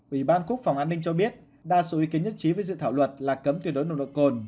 ủy ban quốc phòng an ninh cho biết đa số ý kiến nhất trí với dự thảo luật là cấm tuyệt đối nồng độ cồn